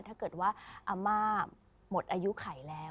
ถ้าเกิดว่าอาม่าหมดอายุไขแล้ว